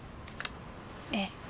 ええ。